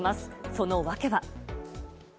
その訳は？